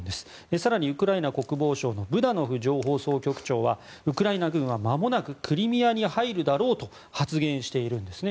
更に、ウクライナ国防省のブダノフ情報総局長はウクライナ軍はまもなくクリミアに入るだろうと発言しているんですね。